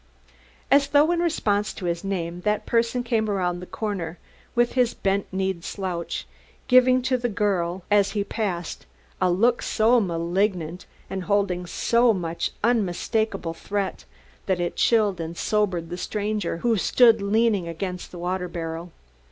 As though in response to his name, that person came around the corner with his bent kneed slouch, giving to the girl as he passed a look so malignant, and holding so unmistakable a threat, that it chilled and sobered the stranger who stood leaning against the water barrel.